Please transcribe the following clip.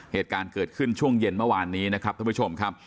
เหตุการณ์เกิดขึ้นช่วงเย็นเมื่อวานนี้นะครับท่านผู้ชมครับ